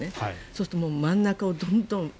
そうすると、真ん中をどんどん。